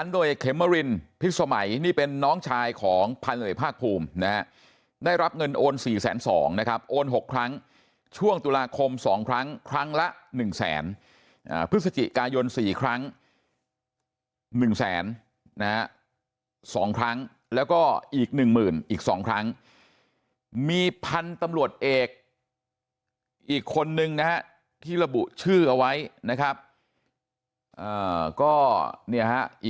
โดยเขมรินพิษสมัยนี่เป็นน้องชายของพันเอกภาคภูมินะฮะได้รับเงินโอน๔๒๐๐นะครับโอน๖ครั้งช่วงตุลาคม๒ครั้งครั้งละ๑แสนพฤศจิกายน๔ครั้ง๑แสนนะฮะ๒ครั้งแล้วก็อีก๑หมื่นอีก๒ครั้งมีพันธุ์ตำรวจเอกอีกคนนึงนะฮะที่ระบุชื่อเอาไว้นะครับก็เนี่ยฮะอ